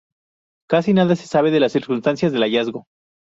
Casi nada se sabe de las circunstancias del hallazgo.